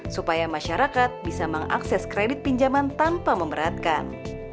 supaya masyarakat bisa mengakses kredit pinjaman tanpa memberatkan